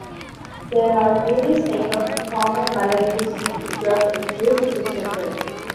There are various type of common Malay cuisine served in this food centre.